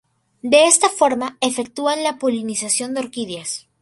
De esta forma efectúan la polinización de orquídeas.